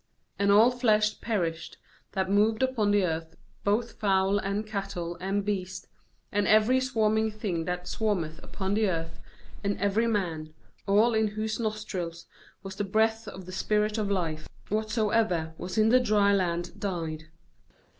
MAnd all flesh perished that moved upon the earth, both fowl, and cattle, and beast, and every swarming thing that swarmeth upon the earth, and every man; ^all in whose nostrils was the breath of the spirit of life, what soever was in the dry land, died.